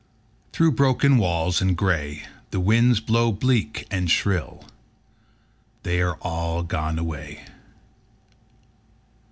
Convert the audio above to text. Through broken walls and gray The winds blow bleak and shrill: They are all gone away.